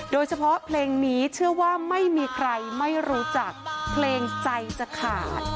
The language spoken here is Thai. โดยเฉพาะเพลงนี้เชื่อว่าไม่มีใครไม่รู้จักเพลงใจจะขาด